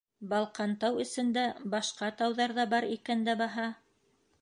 Балҡантау эсендә башҡа тауҙар ҙа бар икән дә баһа!